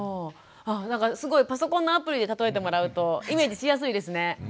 あっなんかすごいパソコンのアプリで例えてもらうとイメージしやすいですね。